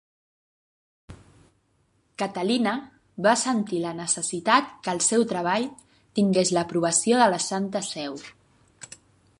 Catalina va sentir la necessitat que el seu treball tingués l'aprovació de la Santa Seu.